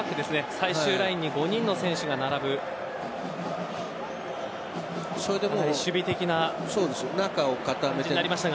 最終ラインに５人の選手が並ぶ守備的な形になりましたが。